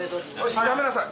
やめなさい。